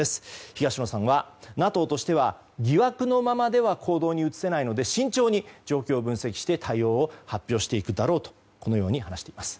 東野さんは、ＮＡＴＯとしては疑惑のままでは行動に移せないので慎重に状況を分析して対応を発表していくだろうと話しています。